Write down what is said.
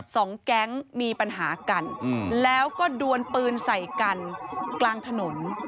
สองแก๊งมีปัญหากันอืมแล้วก็ดวนปืนใส่กันกลางถนน